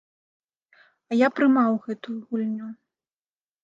А я прымаў гэту гульню.